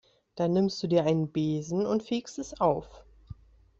Dann nimmst du dir einen Besen und fegst es auf.